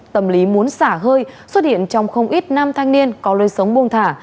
tâm lý muốn xả hơi xuất hiện trong không ít năm thanh niên có lơi sống buông thả